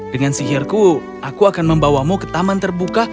dengan sihirku aku akan membawamu ke taman terbuka